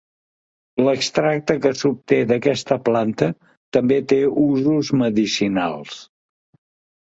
L'extracte que s'obté d'aquesta planta també té usos medicinals.